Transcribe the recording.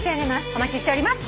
お待ちしております。